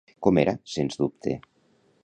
Com era, sens dubte?